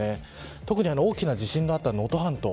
特に大きな地震があった能登半島